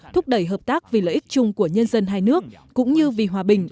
thúc đẩy hợp tác vì lợi ích chung của nhân dân hai nước cũng như vì hòa bình